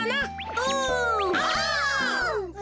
お！